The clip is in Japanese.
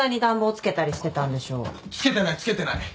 つけてないつけてない。